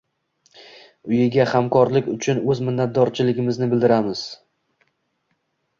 uyiga hamkorlik uchun o‘z minnatdorchiligimizni bildiramiz.